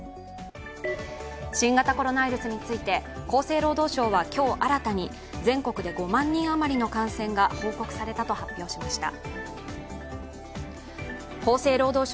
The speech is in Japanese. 新型コロナウイルスについて、厚生労働省は今日新たに全国で５万人余りの感染が報告されたと発表しました。